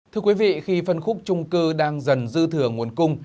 thưa quý vị khi phân khúc trung cư đang dần dư thừa nguồn cung